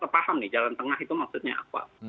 paham nih jalan tengah itu maksudnya apa